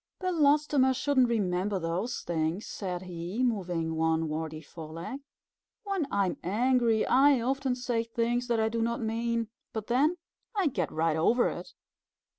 "Belostoma shouldn't remember those things," said he, moving one warty foreleg. "When I am angry, I often say things that I do not mean; but then, I get right over it.